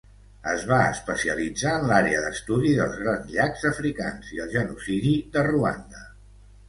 Es va especialitzar en l'àrea d'estudi dels Grans Llacs Africans i el genocidi de Ruanda.